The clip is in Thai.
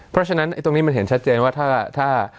เพราะฉะนั้นตรงนี้มันเห็นชัดเจนว่าถ้า